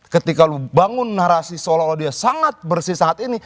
ketika lo bangun narasi seolah olah dia sangat bersih saat ini